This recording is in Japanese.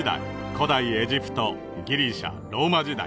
古代エジプトギリシャ・ローマ時代